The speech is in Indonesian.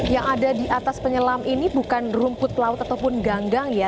yang ada di atas penyelam ini bukan rumput laut ataupun ganggang ya